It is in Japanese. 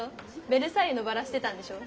ベルサイユのばらしてたんでしょ？